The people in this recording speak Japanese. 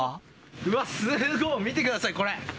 うわ、すごい、見てください、これ。